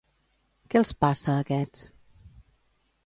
Què els passa a aquests?